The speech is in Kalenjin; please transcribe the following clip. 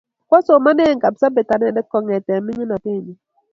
Kwasomane Kapsabet anendet kong'ete ming'inatenyu